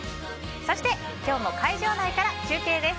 そして今日も会場内から中継です。